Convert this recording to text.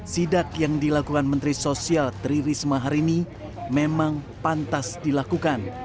sidak yang dilakukan menteri sosial tri risma hari ini memang pantas dilakukan